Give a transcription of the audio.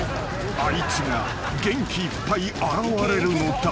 あいつが元気いっぱい現れるのだ］